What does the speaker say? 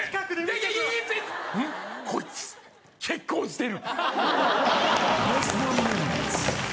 こいつ、結婚してる！